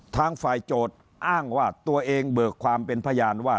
ทางฝ่ายโจทย์อ้างว่าตัวเองเบิกความเป็นพยานว่า